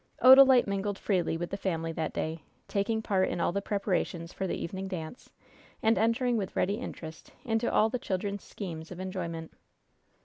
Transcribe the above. Odalite mingled freely with the family that day, taking part in all the preparations for the evening dance, and entering with ready interest into all the children's schemes of enjoyment.